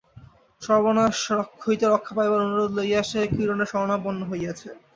সর্বনাশ হইতে রক্ষা পাইবার অনুরোধ লইয়া সে কিরণের শরণাপন্ন হইয়াছে।